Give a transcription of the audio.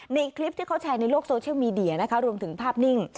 ในคลิปที่เขาแชร์ในโลกโซเชียลมีเดียนะคะรวมถึงภาพนิ่ง